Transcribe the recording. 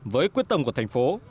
với quyết tâm của thành phố